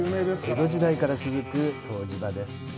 江戸時代から続く湯治場です。